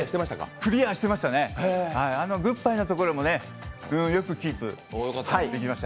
クリアしてましたねグッバイのところもよくキープできました。